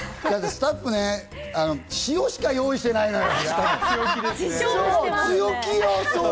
スタッフね、塩しか用意していないのよ。